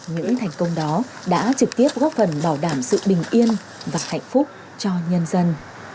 những thành công đó đã trực tiếp góp phần bảo đảm sự bình yên và hạnh phúc cho nhân dân